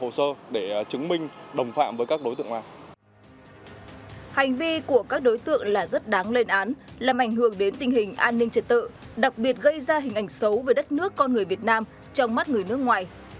hành vi của các đối tượng là rất đáng lên án làm ảnh hưởng đến tình hình an ninh trật tự đặc biệt gây ra hình ảnh xấu về đất nước con người việt nam trong mắt người nước ngoài